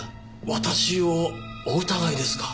私をお疑いですか？